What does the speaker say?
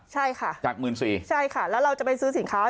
ใช่ค่ะจากหมื่นสี่ใช่ค่ะแล้วเราจะไปซื้อสินค้า